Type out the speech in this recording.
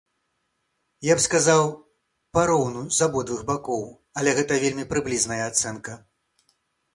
Я б сказаў, пароўну з абодвух бакоў, але гэта вельмі прыблізная ацэнка.